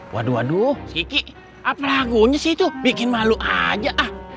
waduh waduh kiki apa lagunya sih itu bikin malu aja